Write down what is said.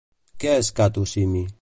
Què és Kato Simi?